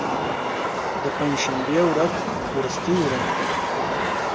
د پنج شنبې ورځ وروستۍ ورځ وه.